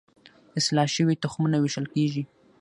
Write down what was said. اصلاح شوي تخمونه ویشل کیږي.